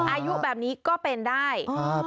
อายุแบบนี้ก็เป็นได้